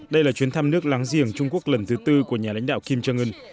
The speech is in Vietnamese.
đây là chuyến thăm nước láng giềng trung quốc lần thứ tư của nhà lãnh đạo kim trương ươn